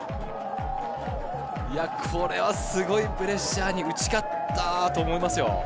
これはすごいプレッシャーに打ち勝ったと思いますよ。